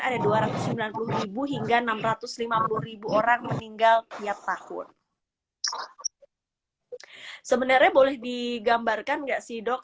ada dua ratus sembilan puluh hingga enam ratus lima puluh orang meninggal tiap tahun sebenarnya boleh digambarkan nggak sih dok